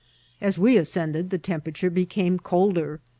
As we ascended the temperature became colder.